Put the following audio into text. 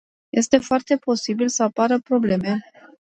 Este foarte posibil să apară probleme.